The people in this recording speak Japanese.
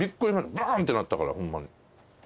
バーンってなったからホンマに。